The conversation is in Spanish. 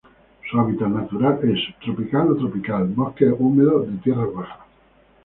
Su hábitat natural es: subtropical o tropical, bosques húmedos de tierras bajas.